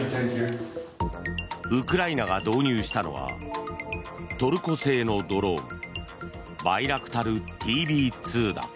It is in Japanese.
ウクライナが導入したのはトルコ製のドローンバイラクタルＴＢ２だ。